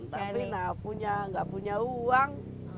tapi tidak punya uang